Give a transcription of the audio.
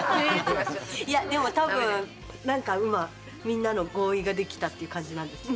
いやでも多分何か今みんなの合意ができたっていう感じなんですか？